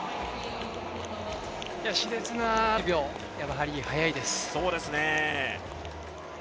しれつな、やはり速いです。